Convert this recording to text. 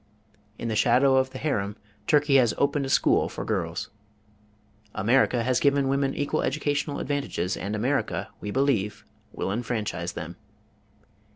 In the shadow of the Harem Turkey has opened a school for girls. America has given the women equal educational advantages, and America, we believe, will enfranchise them.